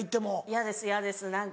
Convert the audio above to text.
嫌です嫌です何か。